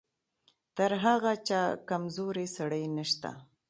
تر هغه چا کمزوری سړی نشته.